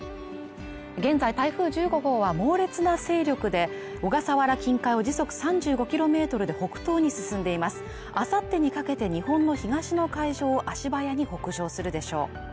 現在台風１５号は猛烈な勢力で小笠原近海を時速３５キロで北東に進んでいますあさってにかけて日本の東の海上を足早に北上するでしょう